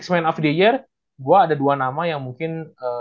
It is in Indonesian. ind of the year gue ada dua nama yang mungkin